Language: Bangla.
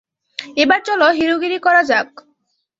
এবার চলো হিরোগিরি করা যাক।